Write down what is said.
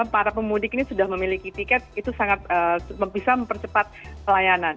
para pemudik ini sudah memiliki tiket itu sangat bisa mempercepat pelayanan